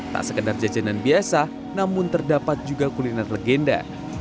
tak sekedar jajanan biasa namun terdapat juga kuliner legenda